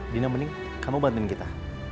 dina mending kamu bantuin kita